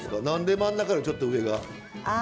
何で真ん中よりちょっと上が？